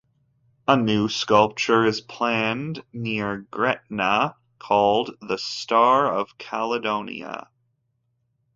A new sculpture is planned near Gretna called the Star of Caledonia.